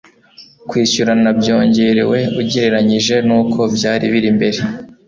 kwishyurana byongerewe ugereranyije n'uko byari biri mbere